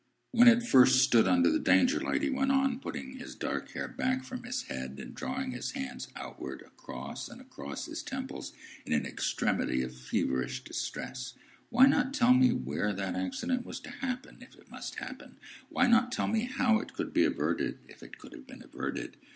"When it first stood under the Danger light," he went on, putting his dark hair back from his head, and drawing his hands outward across and across his temples in an extremity of feverish distress, "why not tell me where that accident was to happen,—if it must happen? Why not tell me how it could be averted,—if it could have been averted?